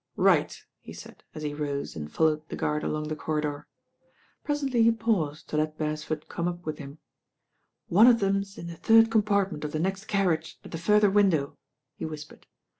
"Right I" he said as he rose and followed the guard nlong the corridor. Presently he paused to let Beresford come up with him. "One of them's in the third compartment of the next carriage at the further window," he whis pered.